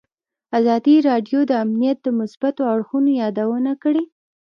ازادي راډیو د امنیت د مثبتو اړخونو یادونه کړې.